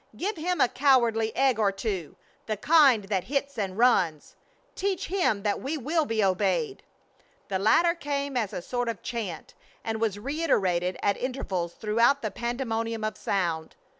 "Give him a cowardly egg or two the kind that hits and runs!" "Teach him that we will be obeyed!" The latter came as a sort of chant, and was reiterated at intervals through the pandemonium of sound.